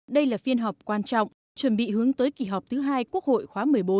đây là phiên họp quan trọng chuẩn bị hướng tới kỳ họp thứ hai quốc hội khóa một mươi bốn